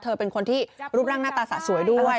เป็นคนที่รูปร่างหน้าตาสะสวยด้วย